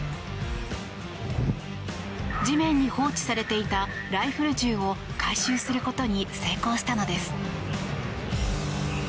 地面に放置されていたライフル銃を回収することに成功したのです。